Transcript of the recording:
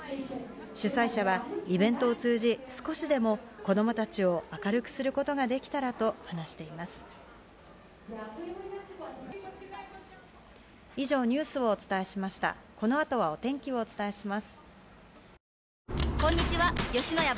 主催者は、イベントを通じ、少しでも子どもたちを明るくするお天気をお伝えします。